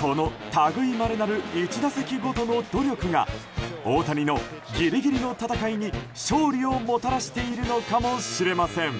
この類いまれなる１打席ごとの努力が大谷のギリギリの戦いに勝利をもたらしているのかもしれません。